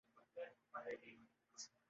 آج اہل فلسطین کو ایک نئی حکمت عملی کی ضرورت ہے۔